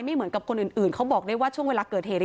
ไม่เหมือนกับคนอื่นเขาบอกได้ว่าช่วงเวลาเกิดเหตุ